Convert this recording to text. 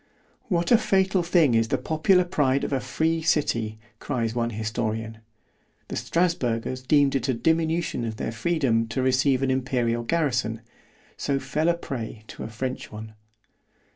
What a fatal thing is the popular pride of a free city! cries one historian—The Strasburgers deemed it a diminution of their freedom to receive an imperial garrison——so fell a prey to a French one.